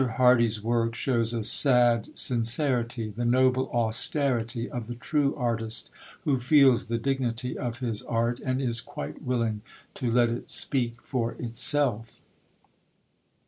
Hardy's work shows a sad sincerity, the noble austerity of the true artist, who feels the dignity of his art and is quite willing to let it speak for itself.